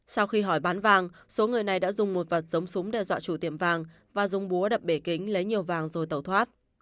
sau khi hỏi bán vàng số người này đã dùng một vật giống súng đe dọa chủ tiệm vàng và dùng búa đập bể kính lấy nhiều vàng rồi tẩu thoát